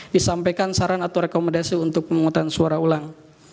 disampaikan saran atau rekomendasi untuk pemungutan suara ulang